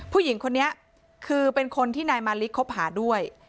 ผู้หญิงคนนี้คือเป็นคนที่นายมาริกคบหาด้วย